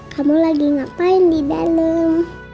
kamu lagi ngapain di dalam